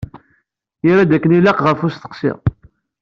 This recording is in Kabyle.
Yerra-d akken ilaq ɣef usteqsi.